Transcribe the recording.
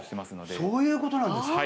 あっそういうことなんですか。